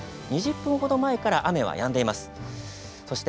２０分ほど前から雨はやんでいます。